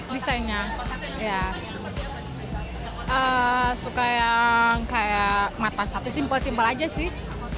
desainnya ya suka yang kayak mata satu simple simpel aja sih